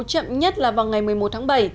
chậm nhất là vào ngày một mươi một tháng bảy